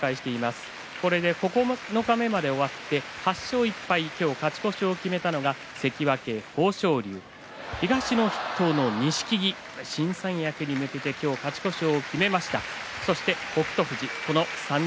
これで九日目まで終わって８勝１敗、勝ち越しを決めたのが関脇豊昇龍、東の筆頭の錦木新三役に向けて今日勝ち越しを決めました。